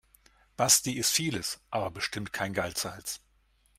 Basti ist vieles, aber bestimmt kein Geizhals.